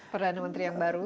perdana menteri yang baru